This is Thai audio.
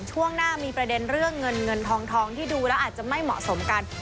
ช่วงหน้ามีประเด็นเรื่องเงินเงินทองที่ดูแล้วอาจจะไม่เหมาะสมกัน